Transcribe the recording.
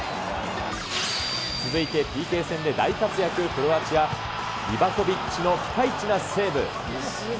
続いてＰＫ戦で大活躍、クロアチア、リバコビッチのピカイチなセーブ。